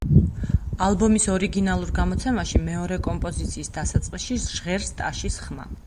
ალბომის ორიგინალურ გამოცემაში, მეორე კომპოზიციის დასაწყისში ჟღერს ტაშის ხმა.